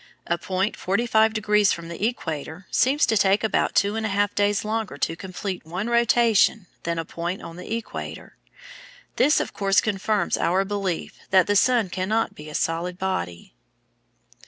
A point forty five degrees from the equator seems to take about two and a half days longer to complete one rotation than a point on the equator. This, of course, confirms our belief that the sun cannot be a solid body.